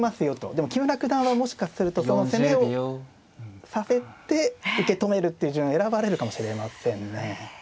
でも木村九段はもしかするとその攻めをさせて受け止めるって順選ばれるかもしれませんね。